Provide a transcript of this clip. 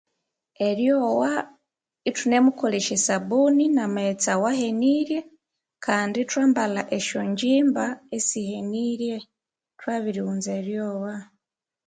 Eryogha ithunemukolesya esabuni na maghetse awahenirye Kandi ithwambalha esyo ngyimba esihenirye thwabirighunza eryogha